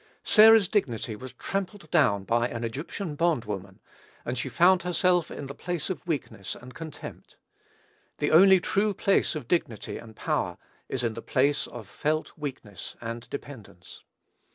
Sarah's dignity was trampled down by an Egyptian bond woman, and she found herself in the place of weakness and contempt. The only true place of dignity and power is the place of felt weakness and dependence.